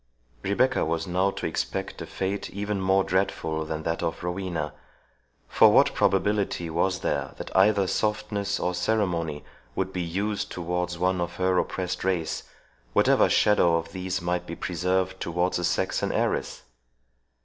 Rebecca was now to expect a fate even more dreadful than that of Rowena; for what probability was there that either softness or ceremony would be used towards one of her oppressed race, whatever shadow of these might be preserved towards a Saxon heiress?